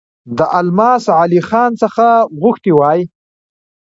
د الماس علي خان څخه غوښتي وای.